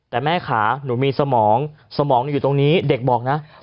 แต่แม่ขาหนูมีสมองสมองอยู่ตรงนี้เด็กบอกนะ